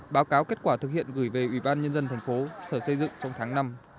báo cáo kết quả thực hiện gửi về ubnd thành phố sở xây dựng trong tháng năm